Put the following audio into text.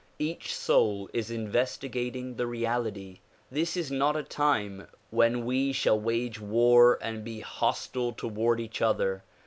Each soul is investigating the reality. This is not a time when we shall wage war and be hostile toward each other.